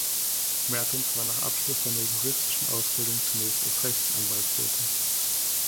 Märtens war nach Abschluss seiner juristischen Ausbildung zunächst als Rechtsanwalt tätig.